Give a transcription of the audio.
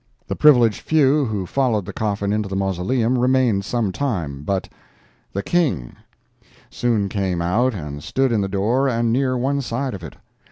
The privileged few who followed the coffin into the mausoleum remained some time, but THE KING Soon came out and stood in the door and near one side of it.